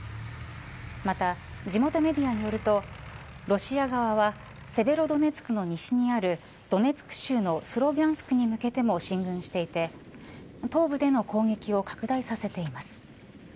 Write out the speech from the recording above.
また、地元メディアによるとロシア側はセベロドネツクの西にあるドネツク州のスロビャンスクに向けても進軍していて東部での攻撃を拡大させています。